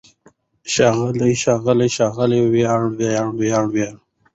ښاغلی، ښاغلي، ښاغلې! وياړلی، وياړلي، وياړلې!